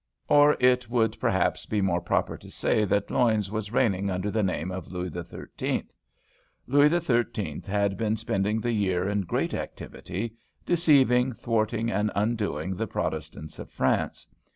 Or it would, perhaps, be more proper to say that Luynes was reigning under the name of Louis XIII. Louis XIII. had been spending the year in great activity, deceiving, thwarting, and undoing the Protestants of France.